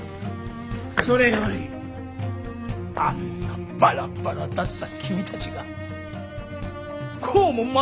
それよりあんなバラバラだった君たちがこうもまとまるとは。